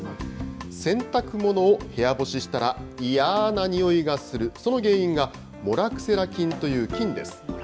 洗濯物を部屋干ししたら、いやーな臭いがする、その原因がモラクセラ菌という菌です。